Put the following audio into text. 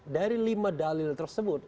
dari lima dalil tersebut